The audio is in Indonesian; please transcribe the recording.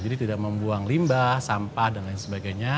jadi tidak membuang limbah sampah dan lain sebagainya